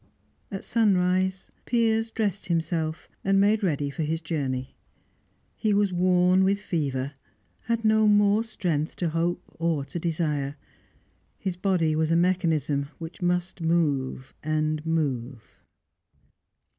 At sunrise, Piers dressed himself, and made ready for his journey. He was worn with fever, had no more strength to hope or to desire. His body was a mechanism which must move and move.